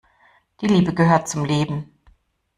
Die Liebe gehört zum Leben.